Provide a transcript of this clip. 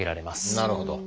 なるほど。